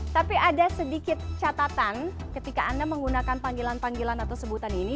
tapi ada sedikit catatan ketika anda menggunakan panggilan panggilan atau sebutan ini